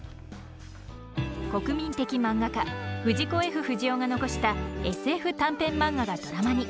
国民的漫画家藤子・Ｆ・不二雄が残したＳＦ短編漫画がドラマに。